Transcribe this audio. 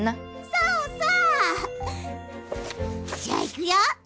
そうそう！じゃあいくよ！